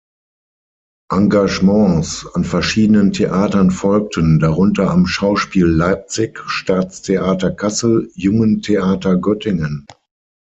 Engagements an verschiedenen Theatern folgten, darunter am Schauspiel Leipzig, Staatstheater Kassel, Jungen Theater Göttingen.